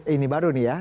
ini baru nih ya